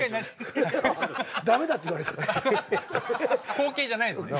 後継じゃないんすね。